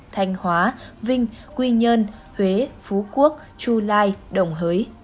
thanh hóa vinh quy nhơn huế phú quốc chu lai đồng hới